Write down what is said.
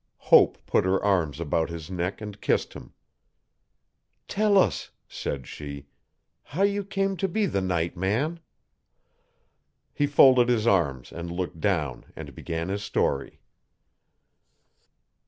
Hope put her arms about his neck and kissed him. 'Tell us,' said she, 'how you came to be the night man.' He folded his arms and looked down and began his story.